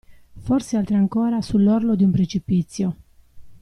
Forse altri ancora sull'orlo di un precipizio.